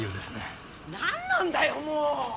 なんなんだよもう。